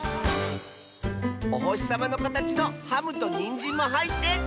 おほしさまのかたちのハムとにんじんもはいってかわいい！